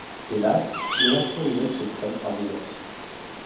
Hélas! les actions humaines se prennent par deux anses.